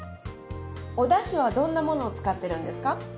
おだしはどんなものを使ってるんですか？